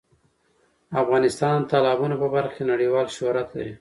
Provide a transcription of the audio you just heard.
افغانستان د تالابونو په برخه کې نړیوال شهرت لري.